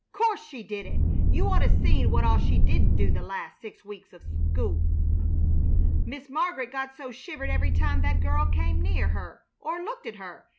'Course she did it! You oughta seen what all she didn't do the last six weeks of school. Miss Mar'get got so she shivered every time that girl came near her or looked at her.